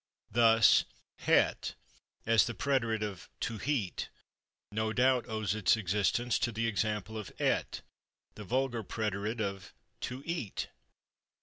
Thus /het/, as the preterite of /to heat/, no doubt owes its existence to the example of /et/, the vulgar preterite of /to eat